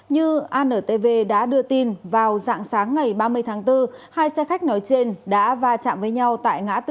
như antv đã đưa tin vào dạng sáng ngày ba mươi tháng bốn hai xe khách nói trên đã va chạm với nhau tại ngã tư